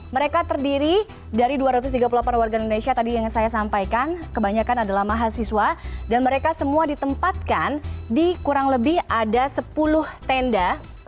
mereka terdiri dari dua ratus tiga puluh delapan warga indonesia tadi yang saya sampaikan kebanyakan adalah mahasiswa dan mereka semua ditempatkan di kurang lebih ada sepuluh tenda